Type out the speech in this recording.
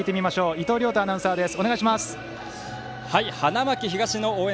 伊藤亮太アナウンサーです。